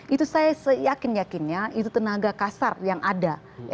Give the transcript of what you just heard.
itu saya seyakin yakinnya itu tenaga kasar yang ada